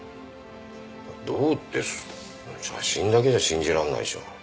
どうって写真だけじゃ信じらんないでしょ。